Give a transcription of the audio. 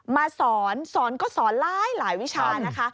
มาสอนสอนก็สอนหลายวิชานะคะ